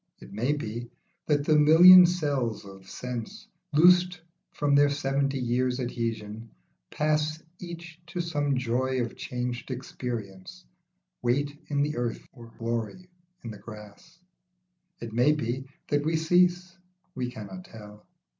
It may be, that the million cells of sense, Loosed from their seventy years' adhesion, pass Each to some joy of changed experience, Weight in the earth or glory in the grass. It may be, that we cease ; we cannot tell.